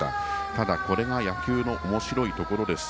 ただ、これが野球のおもしろいところです。